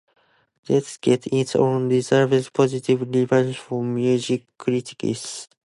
"Let's Get It On" received positive reviews from music critics.